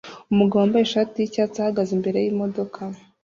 Umugabo wambaye ishati yicyatsi ahagaze imbere yimodoka